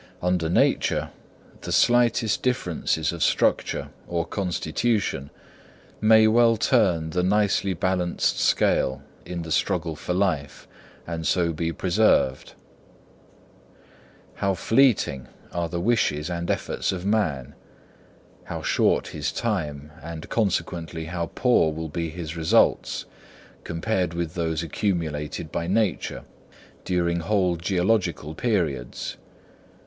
Under nature, the slightest differences of structure or constitution may well turn the nicely balanced scale in the struggle for life, and so be preserved. How fleeting are the wishes and efforts of man! How short his time, and consequently how poor will be his results, compared with those accumulated by Nature during whole geological periods!